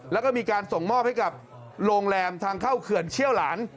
แล้วก็มีการส่งมอบให้กับโรงแรมทางเข้าเขื่อนเชี่ยวหลาน